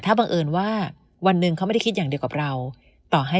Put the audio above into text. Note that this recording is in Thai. ถ้าบังเอิญว่าวันหนึ่งเขาไม่ได้คิดอย่างเดียวกับเราต่อให้